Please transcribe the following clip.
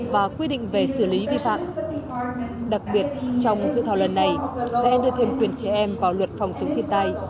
và quy định về xử lý vi phạm đặc biệt trong dự thảo lần này sẽ đưa thêm quyền trẻ em vào luật phòng chống thiên tai